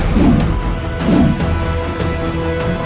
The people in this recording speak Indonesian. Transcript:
kau akan menang